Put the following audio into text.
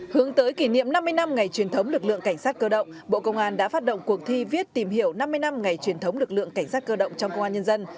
hướng tới kỷ niệm năm mươi năm ngày truyền thống lực lượng cảnh sát cơ động bộ công an đã phát động cuộc thi viết tìm hiểu năm mươi năm ngày truyền thống lực lượng cảnh sát cơ động trong công an nhân dân